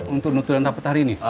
untuk nutulan rapat hari ini